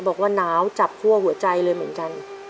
บอกว่าหนาวจับคั่วหัวใจเลยเหมือนกัน